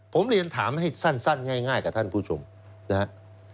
ผมเรียนถามให้สั้นง่ายกับท่านผู้ชมนะครับ